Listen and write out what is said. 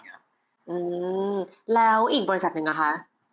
อืมแล้วอีกบริษัทหนึ่งอะคะ